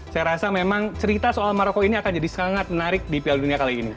saya rasa memang cerita soal maroko ini akan jadi sangat menarik di piala dunia kali ini